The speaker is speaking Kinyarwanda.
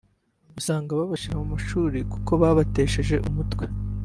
usanga babashyira mu mashuri kuko babatesheje umutwe